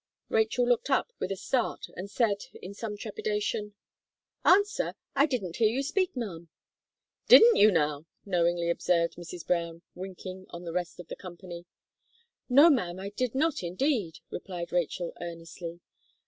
Rachel looked up, with a start, and said, in some trepidation, "Answer! I didn't hear you speak, ma'am." "Didn't you now!" knowingly observed Mrs. Brown, winking on the rest of the company. "No, ma'am, I did not, indeed," replied Rachel, earnestly.